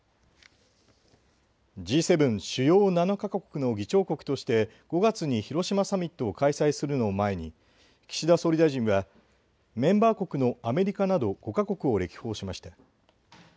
Ｇ７＝主要７か国の議長国として５月に広島サミットを開催するのを前に岸田総理大臣は、メンバー国のアメリカなど５か国を歴訪しました。